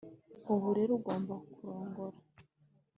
ubu rero ugomba kurongora